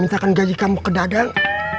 misalkan gaji kamu ke dagang